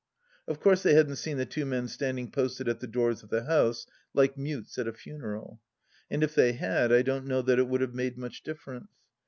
Of course they hadn't seen the two men standing posted at the doors of the house like mutes at a funeral. And if they had I don't know that it would have made much difference.